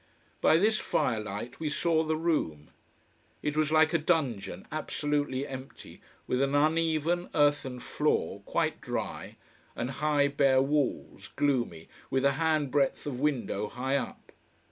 By this firelight we saw the room. It was like a dungeon, absolutely empty, with an uneven, earthen floor, quite dry, and high bare walls, gloomy, with a handbreadth of window high up.